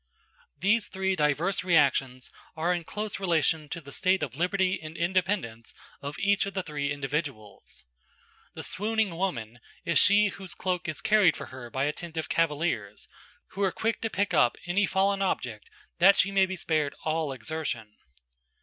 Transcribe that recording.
These three diverse reactions are in close relation to the state of liberty and independence of each of the three individuals. The swooning woman is she whose cloak is carried for her by attentive cavaliers, who are quick to pick up any fallen object that she may be spared all exertion.